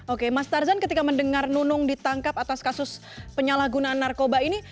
oke mas tarzan ketika mendengar nunung ditangkap atas kasus penyalahgunaan narkoba ini